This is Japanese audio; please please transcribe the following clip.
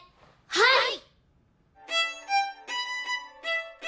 はい！